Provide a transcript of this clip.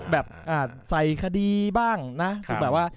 แบบใส่คดีบ้างนะ